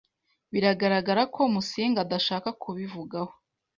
Biragaragara ko Musinga adashaka kubivugaho.